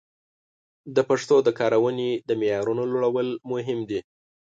د پښتو د کارونې د معیارونو لوړول مهم دي.